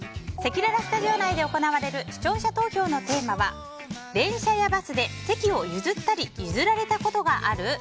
せきららスタジオ内で行われる視聴者投票のテーマは電車やバスで席を譲ったり譲られたこと、ある？